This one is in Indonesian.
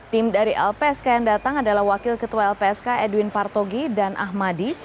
tim dari lpsk yang datang adalah wakil ketua lpsk edwin partogi dan ahmadi